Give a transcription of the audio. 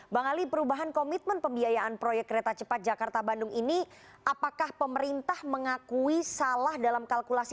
bang ali perubahan komitmen pembiayaan proyek kereta cepat jakarta bandung ini apakah pemerintah mengakui salah dalam kalkulasi